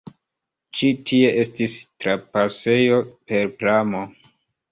Ĉi tie estis trapasejo per pramo.